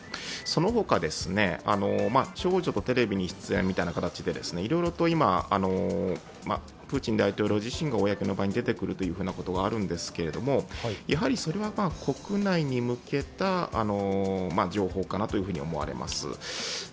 その他、少女とテレビに出演みたいな形でいろいろと今、プーチン大統領自身が公の場に出てくるということがあるんですけれども、それは国内に向けた情報かなと思われます。